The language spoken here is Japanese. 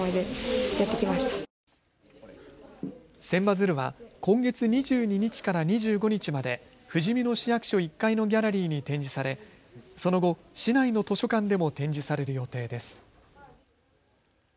千羽鶴は今月２２日から２５日までふじみ野市役所１階のギャラリーに展示されその後、市内の図書館でも展示される予定です。